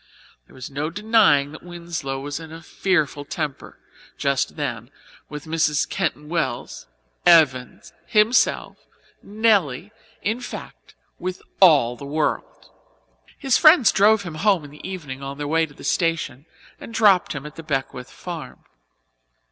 There is no denying that Winslow was in a fearful temper just then with Mrs. Keyton Wells, Evans, himself, Nelly in fact, with all the world. His friends drove him home in the evening on their way to the station and dropped him at the Beckwith farm.